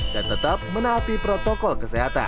dan tetap menangkapi kekebalan dan kekebalan yang terakhir